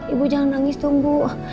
ibu jangan nangis tuh bu